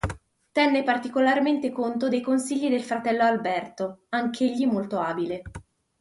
Tenne particolarmente conto dei consigli del fratello Alberto, anch'egli molto abile.